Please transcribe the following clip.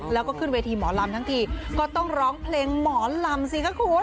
แล้วก็ขึ้นเวทีหมอลำทั้งทีก็ต้องร้องเพลงหมอลำสิคะคุณ